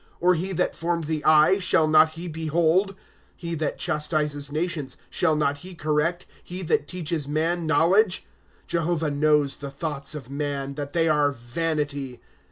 Or he that formed the eye, shall not he behold ? i"> He that chastises nations, shall not he correct, He that teaches man knowledge ? 11 Jehovah knows the thoughts of man, That they are vanity.